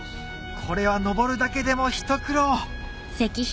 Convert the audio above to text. これは登るだけでも一苦労